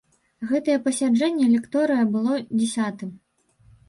Гэтае пасяджэнне лекторыя было дзясятым.